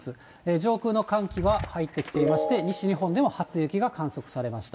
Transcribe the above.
上空の寒気が入ってきていまして、西日本でも初雪が観測されました。